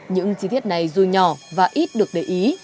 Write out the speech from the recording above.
những chi tiết này dù nhỏ và ít được để ý